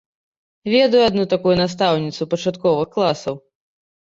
Ведаю адну такую настаўніцу пачатковых класаў.